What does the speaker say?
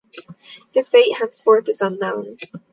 His fate henceforth is unknown.